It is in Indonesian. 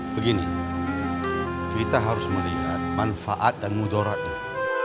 begini kita harus melihat manfaat dan mudah rakyat